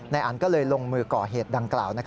อันก็เลยลงมือก่อเหตุดังกล่าว